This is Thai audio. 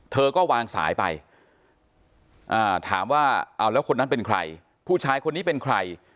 เธอก็วางสายไปถามว่าเอาแล้วคนนั้นเป็นใครผู้ชายคนนี้เป็นใคร